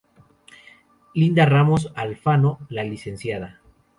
Lidia Ramos Alfano, la Lic.